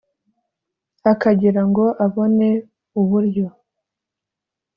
akagira ngo abone ubulyo